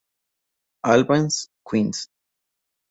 Albans, Queens.